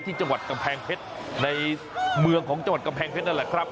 จังหวัดกำแพงเพชรในเมืองของจังหวัดกำแพงเพชรนั่นแหละครับ